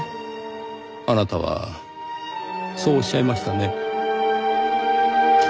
あなたはそうおっしゃいましたね。